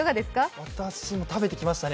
私も食べてきましたね。